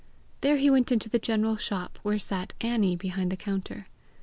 There he went into the general shop, where sat Annie behind the counter.